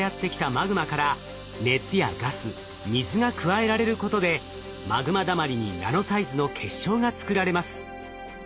マグマから熱やガス水が加えられることでマグマだまりにナノサイズの結晶が作られます。